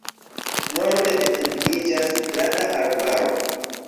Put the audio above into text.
Norde etendiĝas granda arbaro.